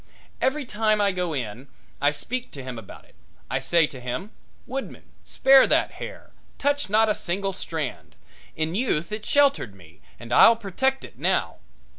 Every time I go in I speak to him about it. I say to him: "Woodman, spare that hair, touch not a single strand; in youth it sheltered me and I'll protect it now."